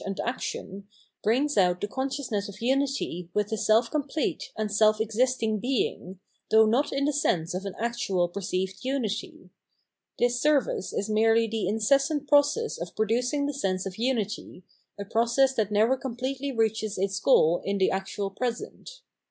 ntl action, brings out the consciousness of imity with the self complete and self existing Being, though not in the sense of an actual perceived unity. This service is merely the incessant process of producing the sense of unity, a process that never completely reaches its goal in the actual present.